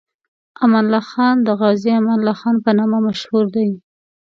امان الله خان د غازي امان الله خان په نامه مشهور دی.